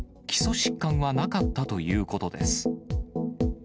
基礎疾患はなかったということです。